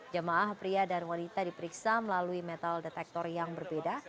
jemaah pria dan wanita diperiksa melalui metal detektor yang berbeda